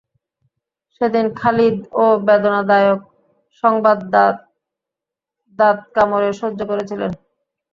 সেদিন খালিদ এ বেদনাদায়ক সংবাদ দাঁত কামড়ে সহ্য করেছিলেন।